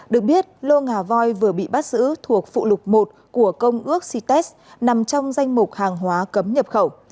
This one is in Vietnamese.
được biết lô ngà voi vừa bị bắt giữ thuộc phụ lục một của công ước cites nằm trong danh mục hàng hóa cấm nhập khẩu